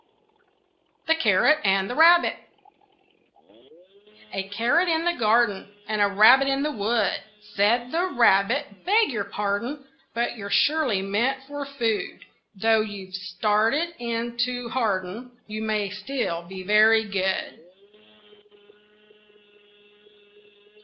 THE CARROT AND THE RABBIT A carrot in a garden And a rabbit in the wood. Said the rabbit, "Beg your pardon, But you're surely meant for food; Though you've started in to harden, You may still be very good."